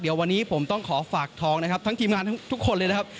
เดี๋ยววันนี้ผมต้องขอฝากทองนะครับทั้งทีมงานทั้งทุกคนเลยนะครับ